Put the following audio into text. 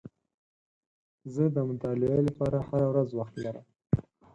زه د مطالعې لپاره هره ورځ وخت لرم.